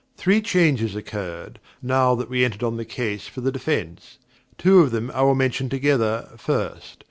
Three changes occurred, now that we entered on the case for the defence. Two of them I will mention together, first.